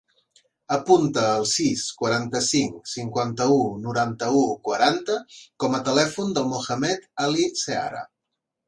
Apunta el sis, quaranta-cinc, cinquanta-u, noranta-u, quaranta com a telèfon del Mohamed ali Seara.